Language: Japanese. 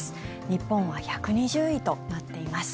日本は１２０位となっています。